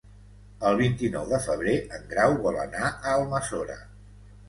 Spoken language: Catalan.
El vint-i-nou de febrer en Grau vol anar a Almassora.